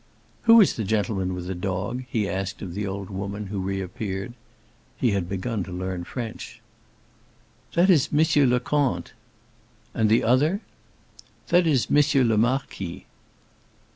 "Who is the gentleman with the dog?" he asked of the old woman who reappeared. He had begun to learn French. "That is Monsieur le Comte." "And the other?" "That is Monsieur le Marquis."